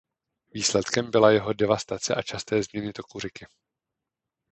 Výsledkem byla jeho devastace a časté změny toku řeky.